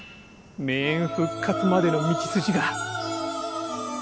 女園復活までの道筋が